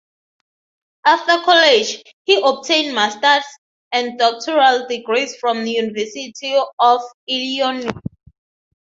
After college, he obtained masters and doctoral degrees from the University of Illinois.